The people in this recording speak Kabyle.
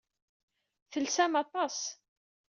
Telsam aṭas.